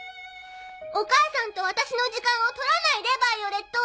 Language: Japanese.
お母さんと私の時間を取らないでヴァイオレット。